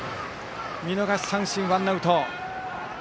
見逃し三振ワンアウト。